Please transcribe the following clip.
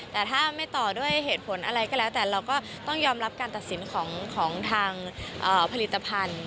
แต่ถ้าไม่ต่อด้วยเหตุผลอะไรก็แล้วแต่เราก็ต้องยอมรับการตัดสินของทางผลิตภัณฑ์